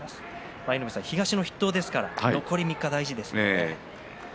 舞の海さん、東の筆頭ですから残り３日大事ですね。